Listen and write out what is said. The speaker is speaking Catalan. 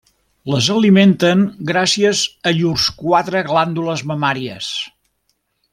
Les alimenten gràcies a llurs quatre glàndules mamàries.